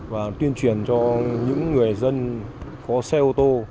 và tuyên truyền cho những người dân có xe ô tô